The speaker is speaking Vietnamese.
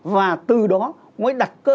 và từ đó mới đặt cơ sở